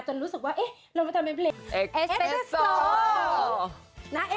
โปรดติดตามต่อไป